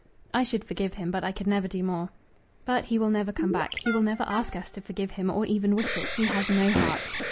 "I should forgive him, but I could never do more." "But he will never come back. He will never ask us to forgive him, or even wish it. He has no heart."